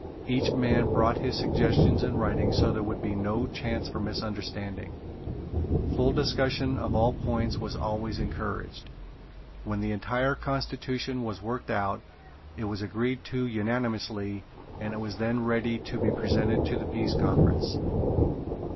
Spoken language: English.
Each man brought his suggestions in writing so there would be no chance for misunderstanding. Full discussion of all points was always encouraged. When the entire constitution was worked out it was agreed to unanimously and it was then ready to be presented to the Peace Conference.